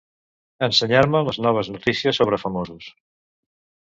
Ensenyar-me les noves notícies sobre famosos.